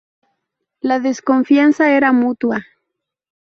La desconfianza era mutua.